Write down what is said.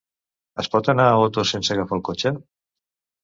Es pot anar a Otos sense agafar el cotxe?